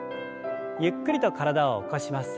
ゆっくりと体を起こします。